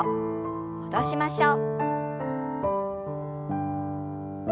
戻しましょう。